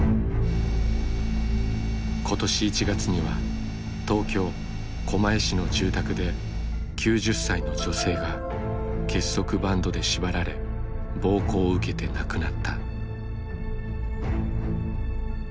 今年１月には東京・狛江市の住宅で９０歳の女性が結束バンドで縛られ暴行を受けて亡くなった。